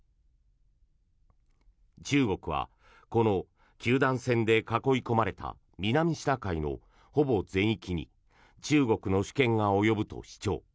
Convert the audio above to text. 中国はこの九段線で囲い込まれた南シナ海のほぼ全域に中国の主権が及ぶと主張。